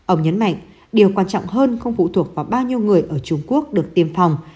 ông nhấn mạnh điều quan trọng hơn không phụ thuộc vào bao nhiêu người ở trung quốc được tiêm phòng